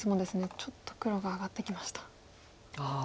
ちょっと黒が上がってきました。